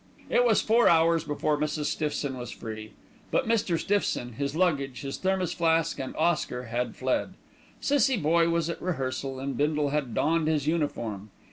It was four hours before Mrs. Stiffson was free; but Mr. Stiffson, his luggage, his thermos flask and Oscar had fled. Cissie Boye was at rehearsal and Bindle had donned his uniform.